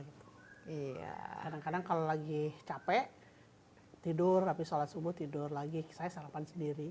iya kadang kadang kalau lagi capek tidur tapi sholat subuh tidur lagi saya sarapan sendiri